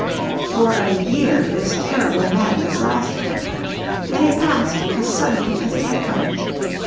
For a year this terrible madness lasted. Then it passed as suddenly as it had come.